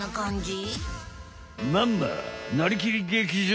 まんま「なりきり劇場！」